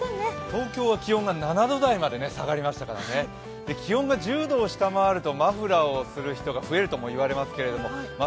東京は気温は７度台まで下がりましたからね気温が１０度を下回るとマフラーをする人が増えるとも言われますけど